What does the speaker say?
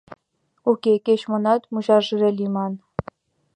Уке, кеч-монат мучашыже лийман!